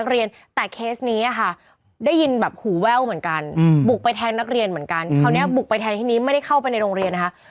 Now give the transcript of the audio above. คราวนี้บุกไปแทนที่นี้ไม่ได้เข้าไปในโรงเรียนนะคะ